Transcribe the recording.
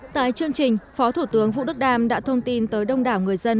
tại chương trình phó thủ tướng vũ đức đam đã thông tin tới đông đảo người dân